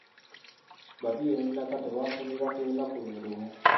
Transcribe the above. Babirye ne Nakato baafumbirwa ku lunaku lwe lumu.